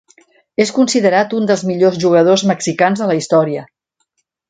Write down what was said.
És considerat un dels millors jugadors mexicans de la història.